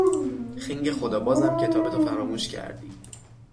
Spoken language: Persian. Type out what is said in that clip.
خنگ خدا! بازم کتابتو فراموش کردی!